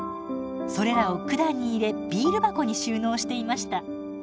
それらを管に入れビール箱に収納していました。